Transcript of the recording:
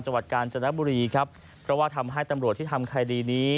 จังหวัดกาญจนบุรีครับเพราะว่าทำให้ตำรวจที่ทำคดีนี้